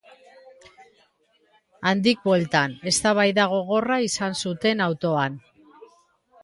Handik bueltan, eztabaida gogorra izan zuten autoan.